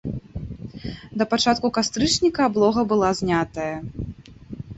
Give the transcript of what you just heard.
Да пачатку кастрычніка аблога была знятая.